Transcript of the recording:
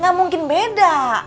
gak mungkin beda